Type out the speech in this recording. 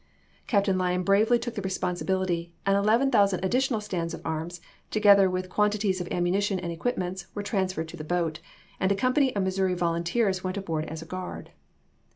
Captain' Lyon bravely took the responsibility, and 11,000 ad ditional stands of arms, together with quantities of ammunition and equipments, were transferred to the boat, and a company of Missouii volunteers went aboard as a guard.